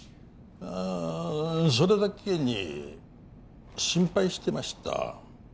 あそれだけに心配してました